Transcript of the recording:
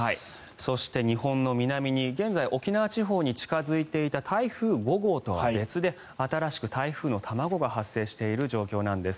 そして日本の南に現在沖縄地方に近付いていた台風５号とは別で新しく台風の卵が発生している状況です。